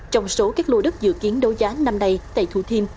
trong số các lô đất dự kiến đấu giá năm nay tại thủ thiêm